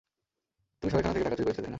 তুমি সরাইখানা থেকে টাকা চুরি করেছিলে, তাই না?